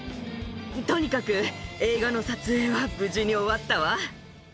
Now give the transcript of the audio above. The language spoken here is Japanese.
とにかく、映画の撮影は無事に終わったわ。